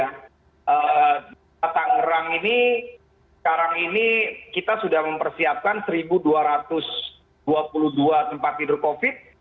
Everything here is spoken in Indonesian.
kota tangerang ini sekarang ini kita sudah mempersiapkan satu dua ratus dua puluh dua tempat tidur covid